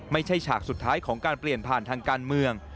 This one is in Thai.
ฉากสุดท้ายของการเปลี่ยนผ่านทางการเมือง